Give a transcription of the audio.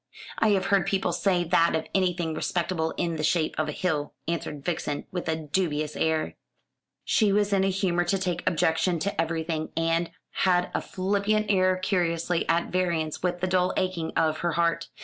"I have heard people say that of anything respectable in the shape of a hill," answered Vixen, with a dubious air. She was in a humour to take objection to everything, and had a flippant air curiously at variance with the dull aching of her heart.